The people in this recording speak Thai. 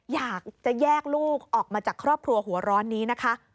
อยากจะแยกลูกออกมาจากครอบครัวหัวร้อนนี้นะคะ